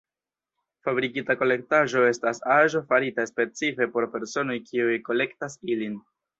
Fabrikita kolektaĵo estas aĵo farita specife por personoj kiuj kolektas ilin.